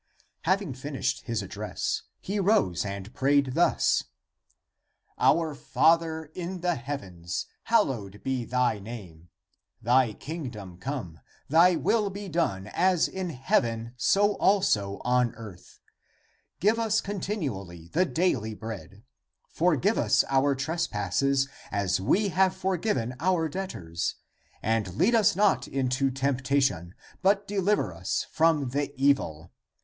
Having finished his address, he rose and prayed thus :" Our Father in the heavens, hallowed be thy name ; thy Kingdom come ; thy will be done as in heaven, so also on earth; <give us continually the daily bread ;> forgive us our trespasses as we have forgiven our debtors; and lead us not into temptation, but deliver us from the evil.